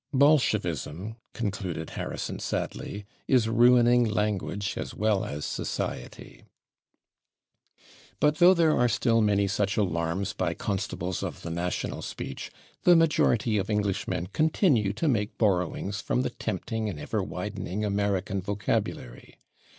"Bolshevism," concluded Harrison sadly, "is ruining language as well as society." But though there are still many such alarms by constables of the national speech, the majority of Englishmen continue to make borrowings from the tempting and ever widening American vocabulary.